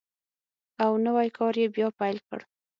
او نوی کار یې بیا پیل کړ.